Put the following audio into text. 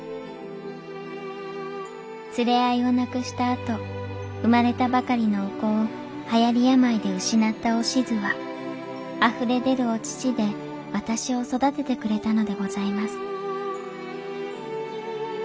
連れ合いを亡くしたあと生まれたばかりのお子を流行り病で失ったおしづは溢れでるお乳で私を育ててくれたのでございます